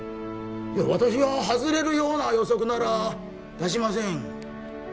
私は外れるような予測なら出しません